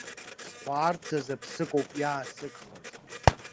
Схәаарцаз аԥсык ауп иаасыгхаз.